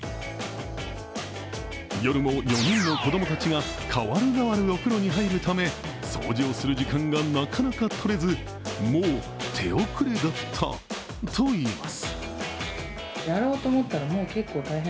夜も４人の子供たちが代わる代わるお風呂に入るため掃除をする時間がなかなかとれずもう手遅れだったといいます。